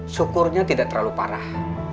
syukurnya tidak terlalu parah